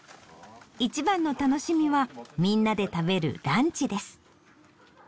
一番の楽しみはみんなで食べるランチです。